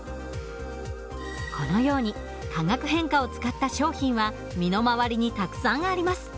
このように化学変化を使った商品は身の回りにたくさんあります。